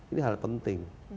ini hal penting